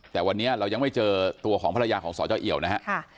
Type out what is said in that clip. แต่วันนี้เรายังไม่เจอตัวของภรรยาของสเจ้าเอี่ยวนะฮะ